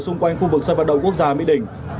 xung quanh khu vực sân vận động quốc gia mỹ đình